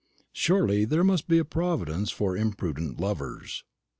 Surely there must be a providence for imprudent lovers.